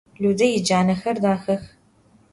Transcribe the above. Lüde yicanexer daxex.